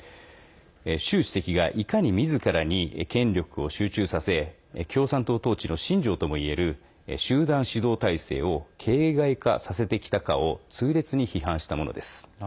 習主席が、いかにみずからに権力を集中させ共産党統治の信条ともいえる集団指導体制を形骸化させてきたかを痛烈に批判したものです。